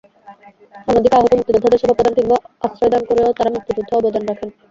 অন্যদিকে আহত মুক্তিযোদ্ধাদের সেবা প্রদান কিংবা আশ্রয়দান করেও তাঁরা মুক্তিযুদ্ধে অবদান রাখেন।